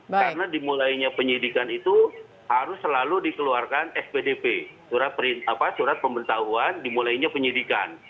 karena dimulainya penyidikan itu harus selalu dikeluarkan spdp surat pembentahuan dimulainya penyidikan